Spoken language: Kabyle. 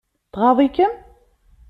Tɣaḍ-ikem?